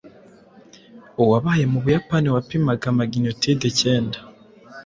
uwabaye mu buyapani wapimaga magnitudes icyenda